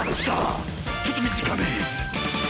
ちょっとみじかめ！